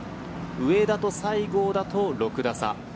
上田と西郷だと６打差。